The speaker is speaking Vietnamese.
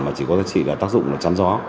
mà chỉ có giá trị để tác dụng trăn gió